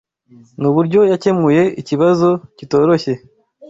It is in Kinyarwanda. Nuburyo yakemuye ikibazo kitoroshye